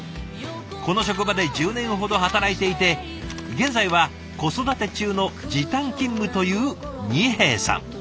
この職場で１０年ほど働いていて現在は子育て中の時短勤務という二瓶さん。